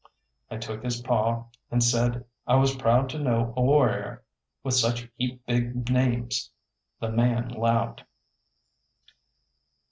I took his paw and said I was proud to know a warrior with such heap big names. The man laughed.